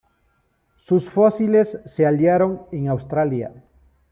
Sus fósiles se hallaron en Australia.